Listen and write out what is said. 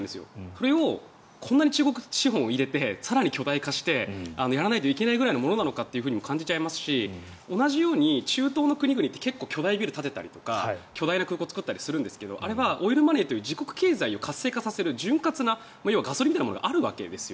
それをこんなに中国資本を入れて更に巨大化して、やらないといけないものなのかとも感じちゃいますし同じように中東の国々って結構巨大ビルを建てたりとか巨大な空港を作ったりするんですけどあれはオイルマネーという自国経済を活性化させる潤滑な、ガソリンみたいなものがあるわけです。